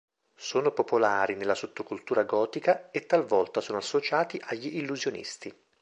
Sono popolari nella sottocultura gotica, e talvolta sono associati agli illusionisti.